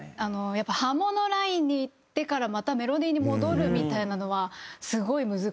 やっぱハモのラインにいってからまたメロディーに戻るみたいなのはすごい難しい。